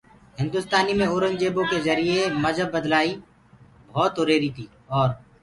هندُستانيٚ مي اورنٚگجيبو ڪي جَريٚئيٚ مجهب بلآئي ڀوت هُريهريِٚ تيٚ اور